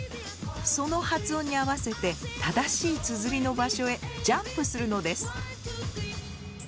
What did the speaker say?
その発音に合わせて正しいつづりの場所へジャンプするのです。